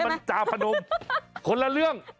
มันจาพนมคนละเรื่อง